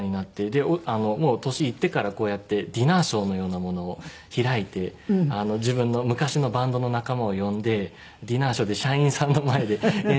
でもう年いってからこうやってディナーショーのようなものを開いて自分の昔のバンドの仲間を呼んでディナーショーで社員さんの前で演奏したり。